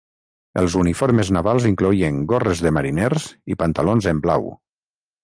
Els uniformes navals incloïen gorres de mariners i pantalons en blau.